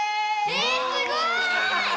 えすごい！